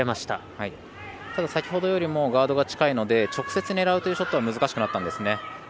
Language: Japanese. ただ、先ほどよりもガードが近いので直接、狙うというショットは難しくなったんです。